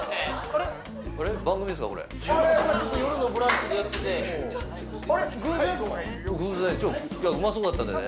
ちょっと「よるのブランチ」でやってて偶然うまそうだったんでね